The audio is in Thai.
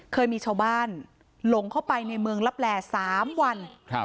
เคยมีชาวบ้านหลงเข้าไปในเมืองลับแล๓วัน